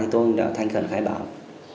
tôi đã thanh khẩn khái bảo